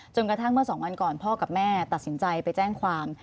กระทั่งเมื่อสองวันก่อนพ่อกับแม่ตัดสินใจไปแจ้งความ